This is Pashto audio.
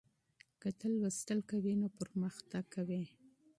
که ته مطالعه کوې نو پرمختګ کوې.